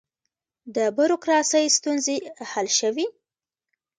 د بروکراسۍ ستونزې حل شوې؟